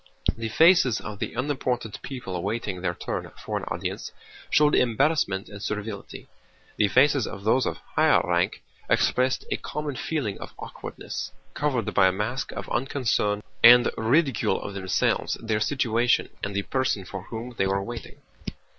The faces of the unimportant people awaiting their turn for an audience showed embarrassment and servility; the faces of those of higher rank expressed a common feeling of awkwardness, covered by a mask of unconcern and ridicule of themselves, their situation, and the person for whom they were waiting.